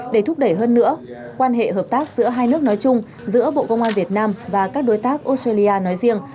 để thúc đẩy hơn nữa quan hệ hợp tác giữa hai nước nói chung giữa bộ công an việt nam và các đối tác australia nói riêng